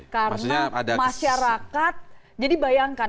karena masyarakat jadi bayangkan